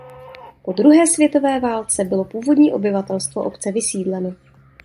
Po druhé světové válce bylo původní obyvatelstvo obce vysídleno.